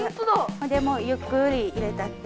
ほんでもうゆっくり入れたって。